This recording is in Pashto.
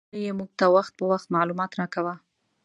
ویل یې موږ ته وخت په وخت معلومات راکاوه.